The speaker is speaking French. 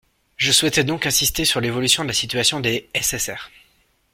Je souhaitais donc insister sur l’évolution de la situation des SSR.